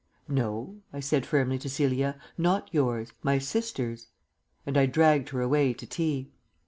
"No," I said firmly to Celia. "Not yours; my sister's." And I dragged her away to tea.